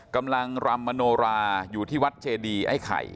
กำลังรำมโนราอยู่ที่วัดเจดีไอ้ไข่